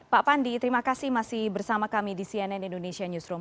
pak pandi terima kasih masih bersama kami di cnn indonesia newsroom